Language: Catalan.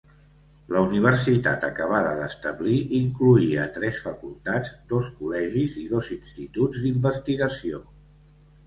La universitat acabada d'establir incloïa tres facultats, dos col·legis i dos instituts d'investigació.